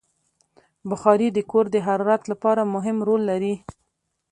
بخاري د کور د حرارت لپاره مهم رول لري.